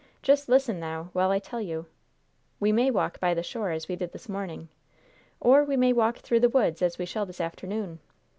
Just listen now while I tell you. We may walk by the shore, as we did this morning, or we may walk through the woods, as we shall this afternoon.